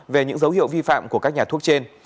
về những dấu hiệu vi phạm của các nhà thuốc trên